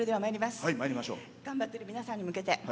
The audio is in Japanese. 頑張って、皆さんに向けて。